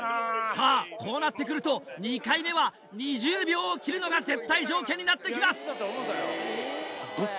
さぁこうなってくると２回目は２０秒を切るのが絶対条件になってきます！